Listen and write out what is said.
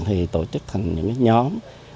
thì tổ chức thành những nhóm